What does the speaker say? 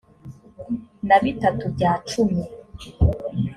na bitatu bya cumi